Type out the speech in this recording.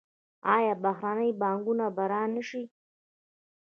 آیا بهرنۍ پانګونه به را نشي؟